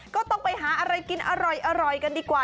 ก็ต้องไปหาอะไรกินอร่อยกันดีกว่า